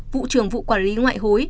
vụ trưởng vụ quản lý ngoại hối